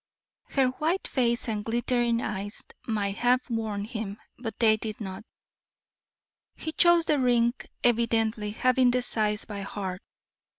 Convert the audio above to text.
Her white face and glittering eyes might have warned him; but they did not. "He chose the ring, evidently having the size by heart.